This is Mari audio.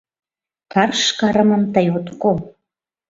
Карш карымым тый от кол.